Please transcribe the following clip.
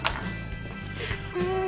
うん。